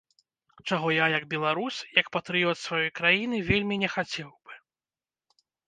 Чаго я як беларус, як патрыёт сваёй краіны вельмі не хацеў бы.